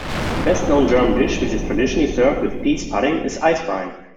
The best-known German dish which is traditionally served with pease pudding is Eisbein.